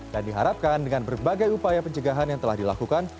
dan diharapkan dengan berbagai upaya pencegahan yang telah dilakukan